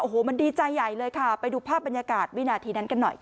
โอ้โหมันดีใจใหญ่เลยค่ะไปดูภาพบรรยากาศวินาทีนั้นกันหน่อยค่ะ